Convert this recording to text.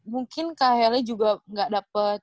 mungkin kak hele juga gak dapet